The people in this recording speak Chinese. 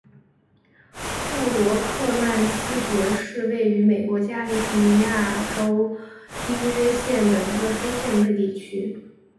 布罗克曼斯角是位于美国加利福尼亚州因约县的一个非建制地区。